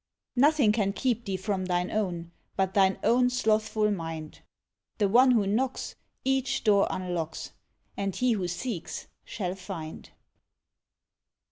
Nothing can keep thee from thine own But thine own slothful mind. To one who knocks, each door unlocks; And he who seeks, shall find.